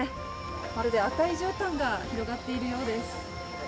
まるで赤いじゅうたんが広がっているようです